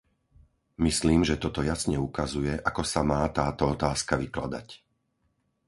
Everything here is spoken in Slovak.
Myslím, že toto jasne ukazuje, ako sa má táto otázka vykladať.